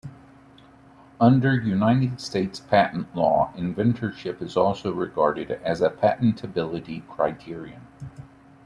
Under United States patent law, inventorship is also regarded as a patentability criterion.